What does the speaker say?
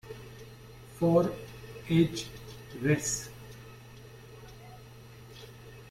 For H Res.